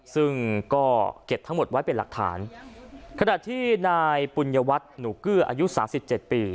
ซึ่งก็เก็บทั้งหมดไว้เป็นหลักฐานขณะที่นายปุญญวัตรหนูเกื้ออายุสามสิบเจ็ดปี